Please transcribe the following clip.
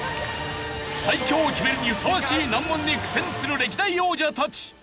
最強を決めるにふさわしい難問に苦戦する歴代王者たち。